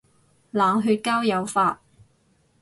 冷血交友法